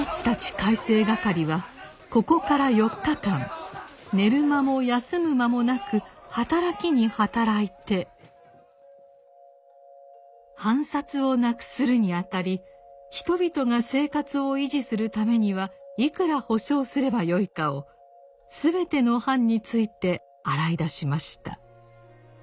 改正掛はここから４日間寝る間も休む間もなく働きに働いて藩札をなくするにあたり人々が生活を維持するためにはいくら保証すればよいかを全ての藩について洗い出しました。